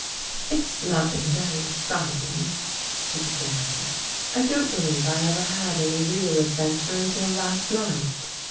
" It's nothing very exciting," she began. " I don't believe I ever had any real adventure until last night.